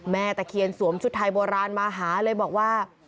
ตะเคียนสวมชุดไทยโบราณมาหาเลยบอกว่า